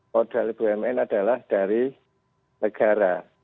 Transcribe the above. modal bumn adalah dari negara